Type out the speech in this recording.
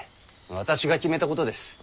私が決めたことです。